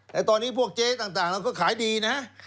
แต่ตอนนี้พวกเจ๊ต่างเราก็ขายดีนะ